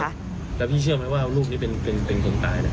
แล้วพี่เชื่อไหมว่ารูปนี้เป็นของตาย